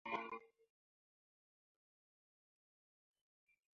Mo ban fa cuah bo rǝwaa.